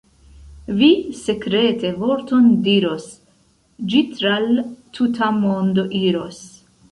Vi sekrete vorton diros, ĝi tra l' tuta mondo iros.